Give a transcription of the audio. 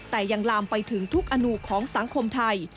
แต่ยังลามไปถึงทุกอนุของสังคมไทย